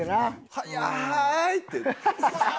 速い！って。